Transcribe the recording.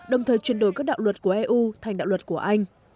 đồng thời chuyển đổi các đạo luật của eu thành đạo luật của anh